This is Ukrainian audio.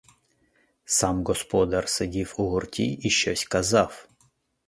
Сам господар сидів у гурті і щось казав.